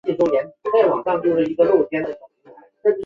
齿叶铁线莲为毛茛科铁线莲属下的一个种。